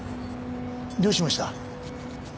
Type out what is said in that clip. どうしました？